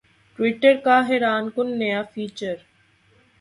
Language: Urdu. ٹویٹر کا حیران کن نیا فیچر